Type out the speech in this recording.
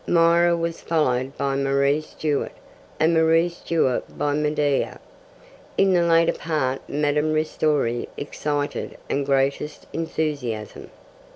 Myrrha was followed by Marie Stuart, and Marie Stuart by Medea. In the latter part Madame Ristori excited the greatest enthusiasm.